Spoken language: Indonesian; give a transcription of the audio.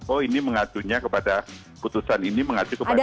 oh ini mengatunya kepada putusan ini mengatunya kepada